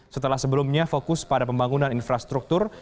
setelah sebelumnya fokus pada pembangunan infrastruktur